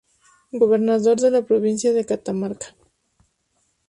Gobernador de la Provincia de Catamarca.